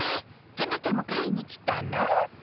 あなたも買いに来たの？